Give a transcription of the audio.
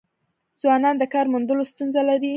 ځوانان د کار موندلو ستونزه لري.